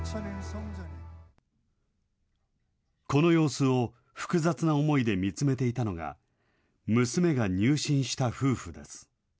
この様子を複雑な思いで見つめていたのが、娘が入信した夫婦です。